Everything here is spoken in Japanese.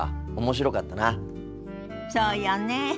そうよね。